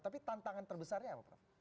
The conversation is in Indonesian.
tapi tantangan terbesarnya apa prof